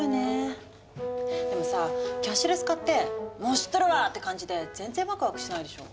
でもさキャッシュレス化って「もう知っとるわ！」って感じで全然ワクワクしないでしょ。